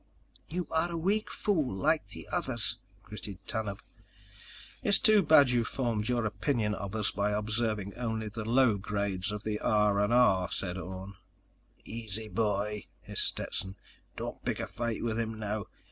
_ "You are a weak fool like the others," gritted Tanub. "It's too bad you formed your opinion of us by observing only the low grades of the R&R," said Orne. "Easy, boy," hissed Stetson. _"Don't pick a fight with him now.